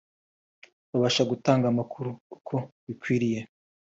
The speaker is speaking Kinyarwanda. babasha gutanga amakuru uko bikwiriye